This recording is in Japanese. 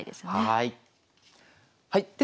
はい。